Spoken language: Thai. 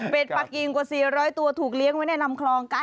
เป็นปากกิ่งกว่า๔๐๐ตัวถูกเลี้ยงไว้ในลำคลองกัน